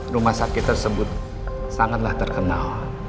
rumah sakit tersebut sangatlah terkenal